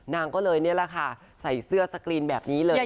นางก็เลยนี่แหละค่ะใส่เสื้อสกรีนแบบนี้เลย